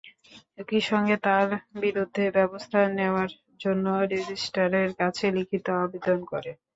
একই সঙ্গে তাঁর বিরুদ্ধে ব্যবস্থা নেওয়ার জন্য রেজিস্ট্রারের কাছে লিখিত আবেদন করে।